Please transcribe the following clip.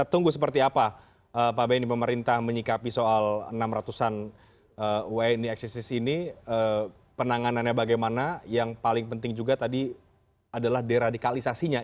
tunggu seperti apa pak benny pemerintah menyikapi soal enam ratus an wni eksisis ini penanganannya bagaimana yang paling penting juga tadi adalah deradikalisasinya